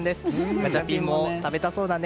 ガチャピンも食べたそうだね。